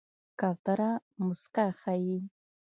کوتره موسکا ښيي.